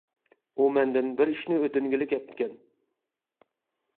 ئۇ مەندىن بىر ئىشنى ئۆتۈنگىلى كەپتىكەن.